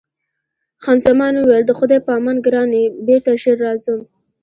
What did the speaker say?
خان زمان وویل: د خدای په امان ګرانې، بېرته ژر راځم.